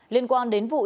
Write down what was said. liên quan đến vụ thủ sẵn